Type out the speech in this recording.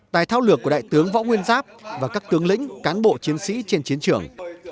tài thao lược của đại tướng võ nguyên giáp và các tướng lĩnh cán bộ chiến sĩ trên chiến trường